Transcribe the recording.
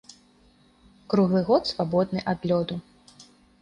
Круглы год свабодны ад лёду.